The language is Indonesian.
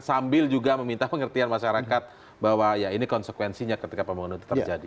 sambil juga meminta pengertian masyarakat bahwa ya ini konsekuensinya ketika pembangunan itu terjadi